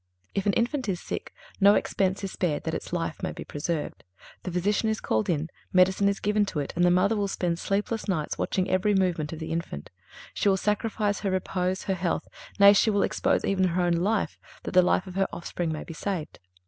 If an infant is sick, no expense is spared that its life may be preserved. The physician is called in, medicine is given to it, and the mother will spend sleepless nights watching every movement of the infant; she will sacrifice her repose, her health; nay, she will expose even her own life that the life of her offspring may be saved.